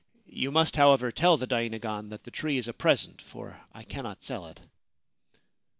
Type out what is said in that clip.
You must, however, tell the dainagon that the tree is a present, for I cannot sell it.'